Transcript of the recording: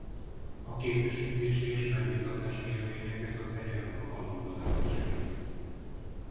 A képesítési és megbízatási jelvényeket az egyenruha bal oldalán viselik.